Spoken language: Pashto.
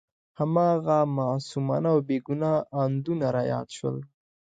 هماغه معصومانه او بې ګناه اندونه را یاد شول.